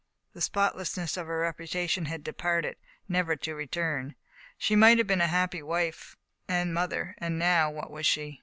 The spot lessness of her reputation had departed, never to return. She might have been a happy wife and mother, and now what was she?